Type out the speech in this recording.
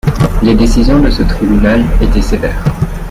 Les décisions de ce tribunal étaient sévères.